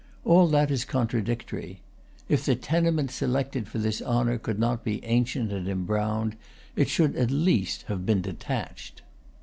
All that is contradictory. If the tenement selected for this honour could not be ancient and em browned, it should at least have been detached.